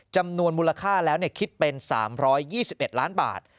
จำนวนมูลค่าแล้วคิดเป็น๓๒๑ล้านบาท